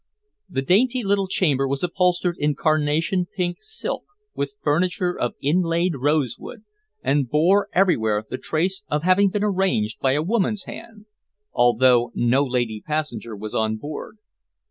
The dainty little chamber was upholstered in carnation pink silk with furniture of inlaid rosewood, and bore everywhere the trace of having been arranged by a woman's hand, although no lady passenger was on board.